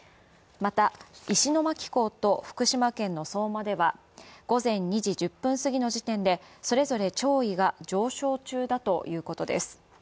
また、石巻港と福島県の相馬では午前２時１０分過ぎの時点でそれぞれ潮位が上昇中だということです。